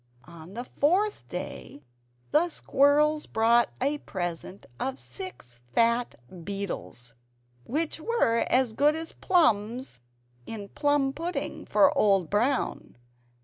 On the fourth day the squirrels brought a present of six fat beetles, which were as good as plums in PLUM PUDDING for Old Brown.